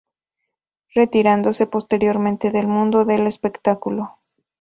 Retirándose posteriormente del mundo del espectáculo.